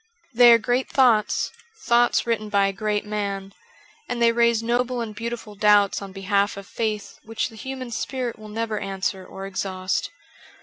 They are great thoughts, thoughts written by a great man, and they raise noble and beautiful doubts on behalf of faith which the human spirit will never answer or exhaust.